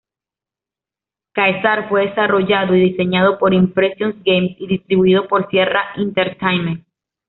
Caesar fue desarrollado y diseñado por Impressions Games y distribuido por Sierra Entertainment.